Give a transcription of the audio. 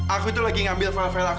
aku itu lagi ngambil farfel aku